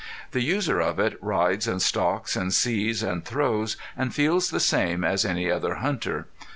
The user of it rides and stalks and sees and throws and feels the same as any other hunter.